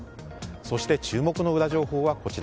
そして注目のウラ情報はこちら。